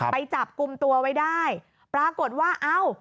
ไปจับกลุ่มตัวไว้ได้ปรากฏว่าเอ้า